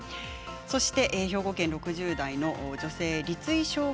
そして兵庫県の６０代の女性。